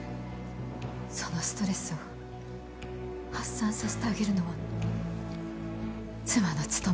そのストレスを発散させてあげるのは妻の務め。